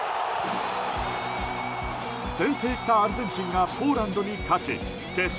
先制したアルゼンチンがポーランドに勝ち決勝